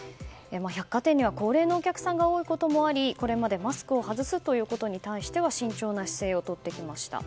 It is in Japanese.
百貨店には高齢のお客さんが多いこともありこれまでマスクを外すことに対しては慎重な姿勢をとってきました。